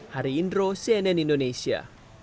hari indro cnn indonesia